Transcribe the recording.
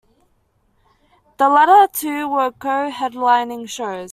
The latter two were co-headlining shows.